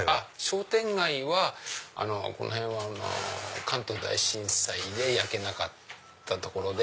商店街はこの辺は関東大震災で焼けなかった所で。